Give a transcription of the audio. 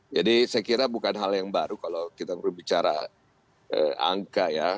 jadi saya kira bukan hal yang baru kalau kita bicara angka ya